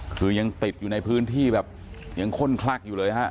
คือยังติดอยู่ในพื้นที่แบบยังข้นคลักอยู่เลยฮะ